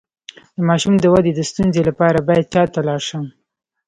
د ماشوم د ودې د ستونزې لپاره باید چا ته لاړ شم؟